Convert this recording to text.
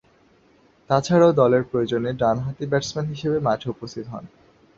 তাছাড়াও দলের প্রয়োজনে ডানহাতি ব্যাটসম্যান হিসেবে মাঠে উপস্থিত হন।